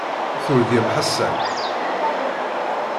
Turgam Ḥasan.